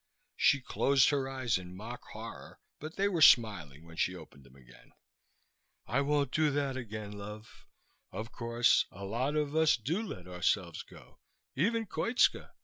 She closed her eyes in mock horror, but they were smiling when she opened them again. "I won't do that again, love. Of course, a lot of us do let ourselves go. Even Koitska.